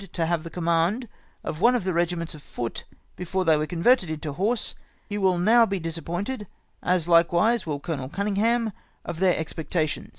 15 to have the command of one of the regiments of foot before they were converted into horse, he will now be disappointed, as likewise will Col. Cunninghame, of their expectations.